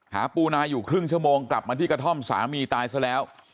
ปูนาอยู่ครึ่งชั่วโมงกลับมาที่กระท่อมสามีตายซะแล้ว